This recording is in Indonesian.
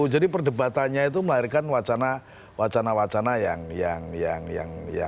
jadi perdebatannya itu melahirkan wacana wacana yang kritis ya